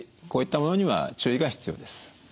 こういったものには注意が必要です。